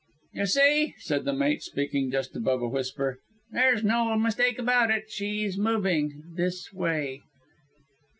"You see," said the mate, speaking just above a whisper, "there's no mistake about it. She is moving this way."